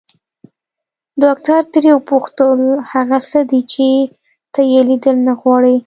ډاکټر ترې وپوښتل هغه څه دي چې ته يې ليدل نه غواړې.